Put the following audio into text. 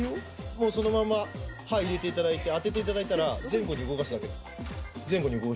もうそのまま刃入れていただいて当てていただいたら前後に動かすだけです。